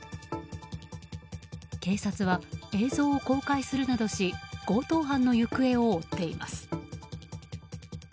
警察は映像を公開するなどし強盗犯の行方を追っています。